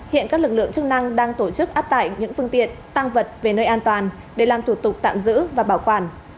hiện các lực lượng chức năng đang tổ chức áp tải những phương tiện tăng vật về nơi an toàn để làm thủ tục tạm giữ và bảo quản